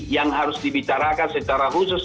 yang harus dibicarakan secara khusus